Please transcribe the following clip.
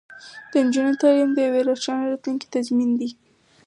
د نجونو تعلیم د یوې روښانه راتلونکې تضمین دی.